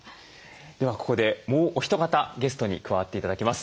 ではここでもうお一方ゲストに加わって頂きます。